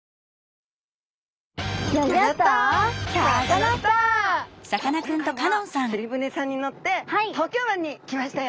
今回は釣り船さんに乗って東京湾に来ましたよ。